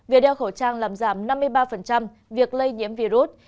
việc đeo khẩu trang làm giảm năm mươi ba việc lây nhiễm virus